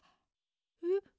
えっ？